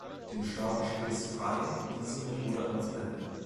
Den Staaten steht es frei, diese Methode anzuwenden.